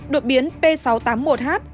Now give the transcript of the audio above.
đột biến p sáu trăm tám mươi một h